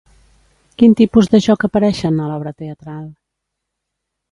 Quins tipus de joc apareixen a l'obra teatral?